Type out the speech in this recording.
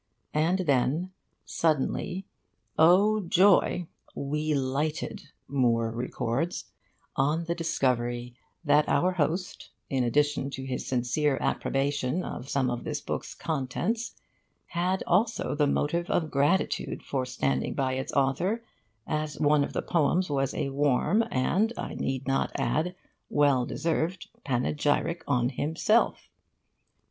And then suddenly oh joy! 'we lighted,' Moore records, 'on the discovery that our host, in addition to his sincere approbation of some of this book's contents, had also the motive of gratitude for standing by its author, as one of the poems was a warm and, I need not add, well deserved panegyric on himself.